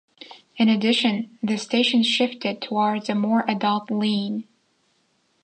In addition, the station shifted towards a more adult lean.